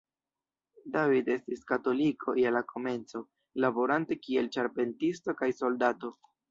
David estis katoliko je la komenco, laborante kiel ĉarpentisto kaj soldato.